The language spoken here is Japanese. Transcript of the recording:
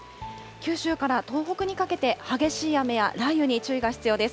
九州から東北にかけて激しい雨や雷雨に注意が必要です。